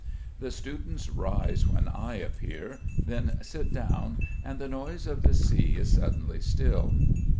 The students rise when I appear, then sit down and the noise of the sea is suddenly still.